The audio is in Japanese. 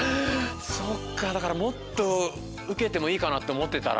そっかだからもっとうけてもいいかなっておもってたら。